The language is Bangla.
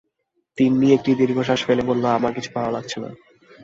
তিন্নি একটি দীর্ঘনিঃশ্বাস ফেলে বলল, আমার কিছু ভালো লাগছে না।